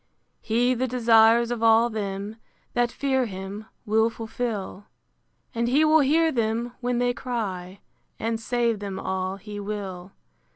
He the desires of all them That fear him, will fulfil; And he will hear them when they cry, And save them all he will.